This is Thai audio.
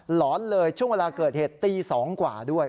หอนเลยช่วงเวลาเกิดเหตุตี๒กว่าด้วย